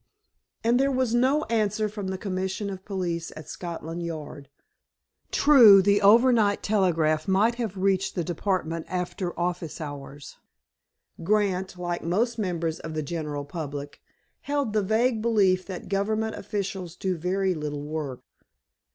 And there was no answer from the Commissioner of Police at Scotland Yard. True, the overnight telegram might have reached the Department after office hours. Grant, like most members of the general public, held the vague belief that Government officials do very little work.